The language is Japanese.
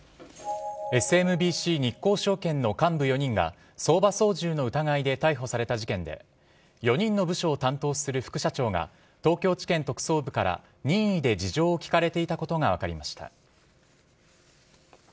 ＳＭＢＣ日興証券の幹部４人が相場操縦の疑いで逮捕された事件で４人の部署を担当する副社長が東京地検特捜部から任意で事情を聴かれていたことが分かりました。